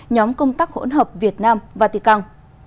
nhóm công tác hỗn hợp việt nam vatican